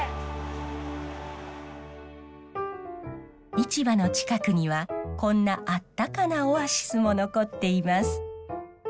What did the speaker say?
市場の近くにはこんなあったかなオアシスも残っています。